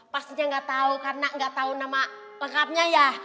pastinya gak tau karena gak tau nama lengkapnya ya